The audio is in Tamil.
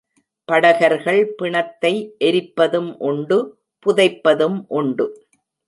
படகர்கள் பிணத்தை எரிப்பதும் உண்டு புதைப்பதும் உண்டு.